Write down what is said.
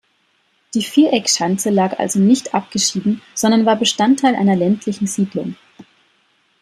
Die Viereckschanze lag also nicht abgeschieden, sondern war Bestandteil einer ländlichen Siedlung.